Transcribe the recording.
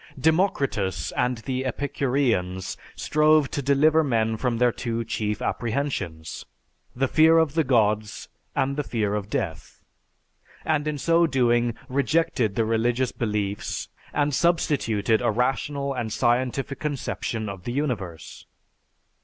"_) Democritus and the Epicureans strove to deliver men from their two chief apprehensions: the fear of the gods, and the fear of death; and in so doing rejected the religious beliefs and substituted a rational and scientific conception of the universe.